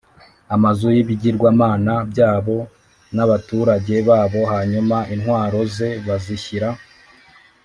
amazu y ibigirwamana b byabo n abaturage babo Hanyuma intwaro c ze bazishyira